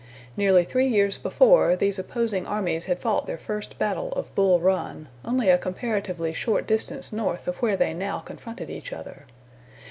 Nearly three years before, these opposing armies had fought their first battle of Bull Run, only a comparatively short distance north of where they now confronted each other.